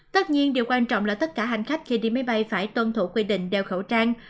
tất nhiên điều quan trọng là tất cả hành khách khi đi máy bay phải tuân thủ quy định đeo khẩu trang